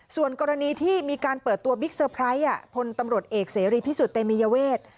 ส่วนกรณีที่มีการเปิดตัวบิ๊กเซอร์ไพรส์พลตำรวจเอกเสรีพิสุทธิ์เตมียเวท